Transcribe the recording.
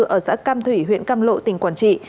ở xã cam thủy huyện cam lộ tỉnh quảng trị